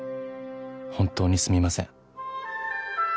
「本当にすみません」